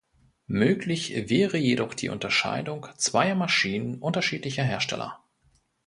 Möglich wäre jedoch die Unterscheidung zweier Maschinen unterschiedlicher Hersteller.